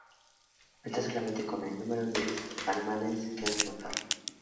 Cuenta solamente el número de alemanes que has matado.